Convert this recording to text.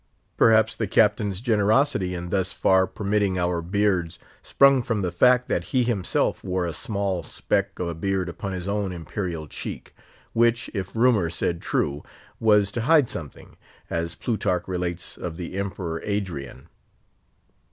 Perhaps the Captain's generosity in thus far permitting our beards sprung from the fact that he himself wore a small speck of a beard upon his own imperial cheek; which if rumour said true, was to hide something, as Plutarch relates of the Emperor Adrian.